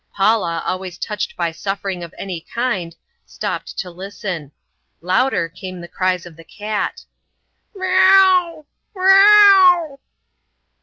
Paula, always touched by suffering of any kind, stopped to listen. Louder came the cries of the cat. "Mee ow, mee ow."